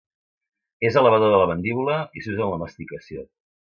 És elevador de la mandíbula i s'usa en la masticació.